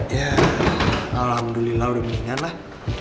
ya alhamdulillah udah mendingan lah